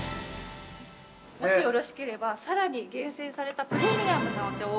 ◆もしよろしければ、さらに厳選されたプレミアムなお茶を。